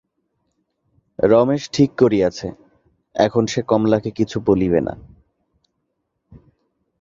রমেশ ঠিক করিয়াছে, এখন সে কমলাকে কিছু বলিবে না।